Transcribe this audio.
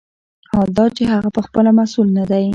حال دا چې هغه پخپله مسوول نه دی.